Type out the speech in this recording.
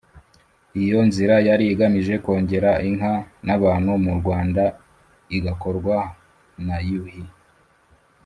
iyo nzira yari igamije kongera inka n’abantu mu rwanda, igakorwa na yuhi.